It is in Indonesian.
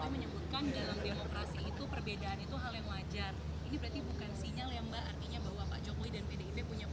tadi dalam pidatonya pak jokowi menyebutkan dalam demokrasi itu perbedaan itu hal yang wajar